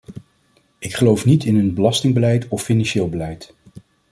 Ik geloof niet in een belastingbeleid of financieel beleid.